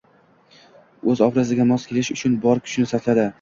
O‘z obraziga mos kelish uchun bor kuchini sarflaydi.